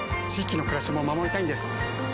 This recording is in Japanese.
域の暮らしも守りたいんです。